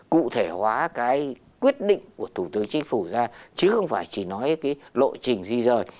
cụ thể hóa cái quyết định của thủ tướng chính phủ ra chứ không phải chỉ nói cái lộ trình di rời